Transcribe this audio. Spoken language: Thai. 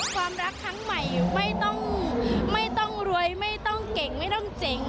ความรักครั้งใหม่ไม่ต้องไม่ต้องรวยไม่ต้องเก่งไม่ต้องเจ๋ง